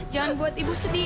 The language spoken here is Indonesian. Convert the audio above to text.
jangan buat ibu sedih